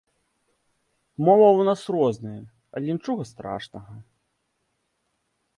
Мова ў нас розная, але нічога страшнага.